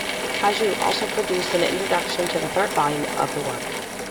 Kujau also produced an introduction to a third volume of the work.